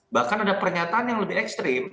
bahkan ada pernyataan yang lebih ekstrim